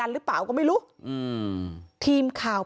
มีเรื่องอะไรมาคุยกันรับได้ทุกอย่าง